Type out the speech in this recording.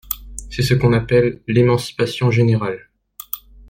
C’est ce qu’on appelle l’émancipation générale.